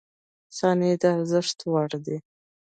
• ثانیې د ارزښت وړ دي.